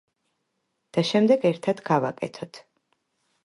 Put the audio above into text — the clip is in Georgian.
და შემდეგ ერთად გავაკეთოთ.